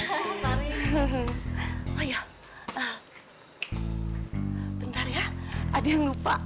oh iya bentar ya ada yang lupa